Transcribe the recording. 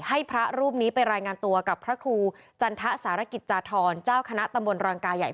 ให้พระรูปนี้ไปรายงานตัวกับพระครูจันทะสารกิจจาธรเจ้าคณะตำบลรังกายใหญ่